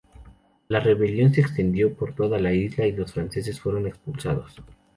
La rebelión se extendió por toda la isla y los franceses fueron expulsados.